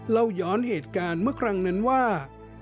เล่าย้อนเหตุการณ์เมื่อครั้งนั้นว่า